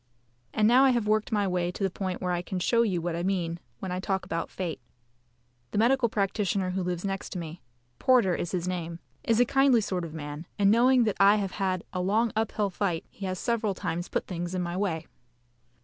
And now I have worked my way to the point where I can show you what I mean when I talk about fate. The medical practitioner who lives next me Porter is his name is a kindly sort of man, and knowing that I have had a long uphill fight, he has several times put things in my way.